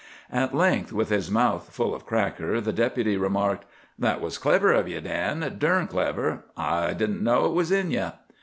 At length, with his mouth full of cracker, the Deputy remarked: "That was clever of ye, Dan—durn' clever. I didn't know it was in ye."